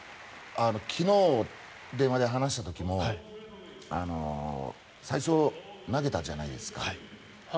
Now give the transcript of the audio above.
昨日、電話で話した時も最初、投げたじゃないですか。